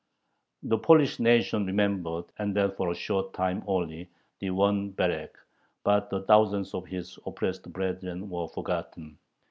The Polish nation remembered, and that for a short time only, the one Berek; but the thousands of his oppressed brethren were forgotten.